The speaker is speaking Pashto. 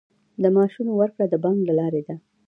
د معاشونو ورکړه د بانک له لارې ده